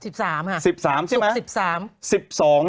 ๑๓ค่ะศุกร์๑๓ใช่ไหมฮะ